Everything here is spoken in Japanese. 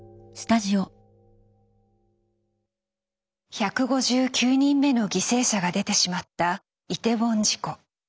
１５９人目の犠牲者が出てしまったイテウォン事故。